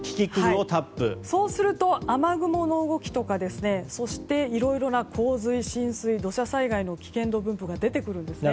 そうすると雨雲の動きやいろいろな洪水、浸水土砂災害の危険度分布が出てくるんですね。